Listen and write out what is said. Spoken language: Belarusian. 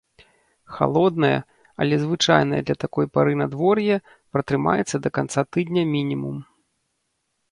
Халоднае, але звычайнае для такой пары надвор'е, пратрымаецца да канца тыдня мінімум.